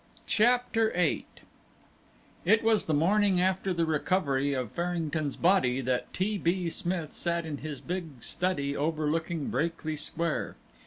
CHAPTER VIII It was the morning after the recovery of Farrington's body that T. B. Smith sat in his big study overlooking Brakely Square.